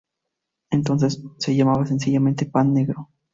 Entonces se llamaba sencillamente pan negro.